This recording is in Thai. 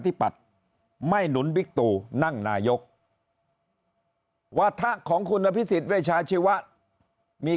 ปฏิไม่หนุนบิ๊กตูนั่งนายกวาถะของคุณอภิษฎเวชาชีวะมี